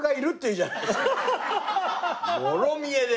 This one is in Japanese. もろ見えで。